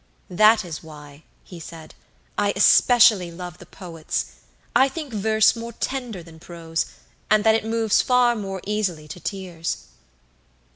"That is why," he said, "I especially love the poets. I think verse more tender than prose, and that it moves far more easily to tears."